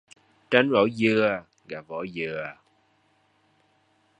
Tránh vỏ dưa gặp vỏ dừa